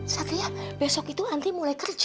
satria besok itu nanti mulai kerja